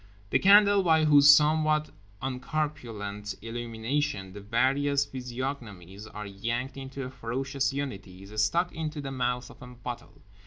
The candle by whose somewhat uncorpulent illumination the various physiognomies are yanked into a ferocious unity is stuck into the mouth of a bottle.